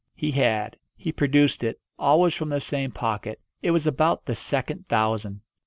He had. He produced it always from the same pocket. It was about the second thousand.